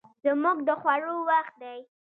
زموږ د خوړو وخت دی